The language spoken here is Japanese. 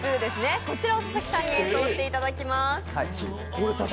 こちらを佐々木さんに演奏していただきます。